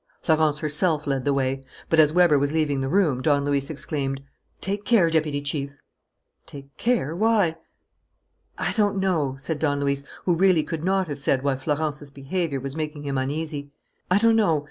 Florence herself led the way. But, as Weber was leaving the room, Don Luis exclaimed: "Take care, Deputy Chief!" "Take care? Why?" "I don't know," said Don Luis, who really could not have said why Florence's behaviour was making him uneasy. "I don't know.